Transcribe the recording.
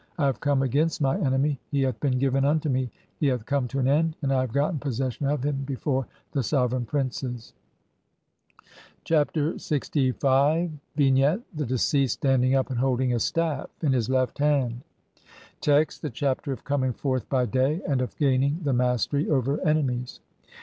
I have come "against my Enemy, (14) he hath been given unto me, he hath "come to an end, and I have gotten possession [of him] before "the sovereign princes." Chapter LXV. [From Lepsius, Todtcnbuch, Bl. 25.] Vignette : The deceased standing up and holding a staff in his left hand. Text: (i) THE CHAPTER OF COMING FORTH BY DAY AND OF GAINING THE MASTERY OVER ENEMIES.